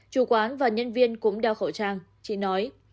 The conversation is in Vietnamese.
chủ quán và nhân viên cũng đeo khẩu trang chỉ nói